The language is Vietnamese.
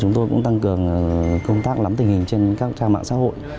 chúng tôi cũng tăng cường công tác lắm tình hình trên các trang mạng xã hội